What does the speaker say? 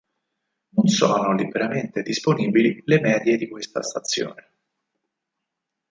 Non sono liberamente disponibili le medie di questa stazione.